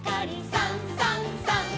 「さんさんさん」